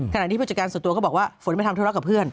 ที่ผู้จัดการส่วนตัวก็บอกว่าฝนไปทำธุระกับเพื่อน